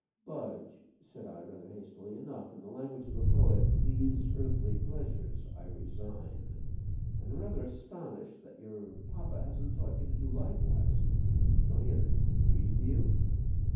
"Budge," said I, rather hastily, "enough. In the language of the poet "'These earthly pleasures I resign,' and I'm rather astonished that your papa hasn't taught you to do likewise. Don't he ever read to you?"